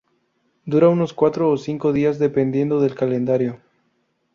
Dura unos cuatro o cinco días dependiendo del calendario.